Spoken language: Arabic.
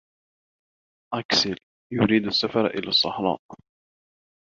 أكسيل يريد السفر الى الصحراء.